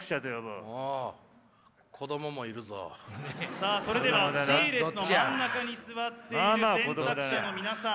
さあそれではＣ列の真ん中に座っている選択者の皆さん。